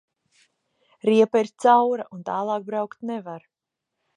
Riepa ir caura un tālāk braukt nevar.